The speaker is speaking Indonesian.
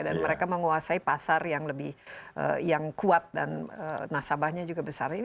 dan mereka menguasai pasar yang lebih yang kuat dan nasabahnya juga berbeda